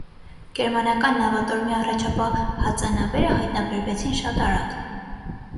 Գերմանական նավատորմի առաջապահ հածանավերը հայտնաբերվեցին շատ արագ։